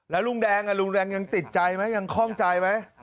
แล้วลุงแดงลุงแดงยังติดใจไหมยังคล่องใจไหม